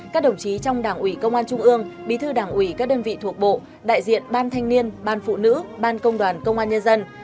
các đồng chí trong đảng ủy công an trung ương bí thư đảng ủy các đơn vị thuộc bộ đại diện ban thanh niên ban phụ nữ ban công đoàn công an nhân dân